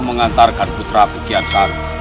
mengantarkan putra bukian sarra